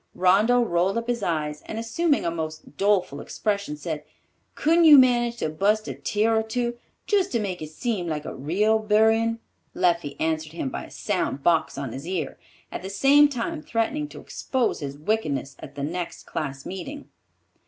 Rondeau rolled up his eyes, and assuming a most doleful expression, said, "Couldn't you manage to bust a tear or two, just to make it seem like a real buryin'?" Leffie answered him by a sound box on his ear, at the same time threatening to expose his wickedness at the next class meeting.